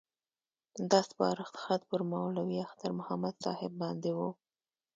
دا سپارښت خط پر مولوي اختر محمد صاحب باندې وو.